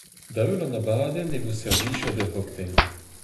Da-heul an abadenn e vo servijet ur c'hoktel.